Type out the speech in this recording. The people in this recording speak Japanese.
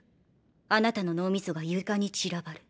あなたの脳みそが床に散らばる。